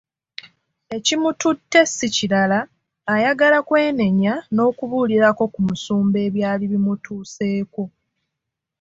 Ekimututte si kirala, ayagala kwenenya n’okubuulirako ku musumba ebyali bimutuuseeko!